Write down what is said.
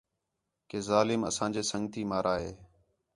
کہ ظالم اساں جے سنڳتی مارا ہِے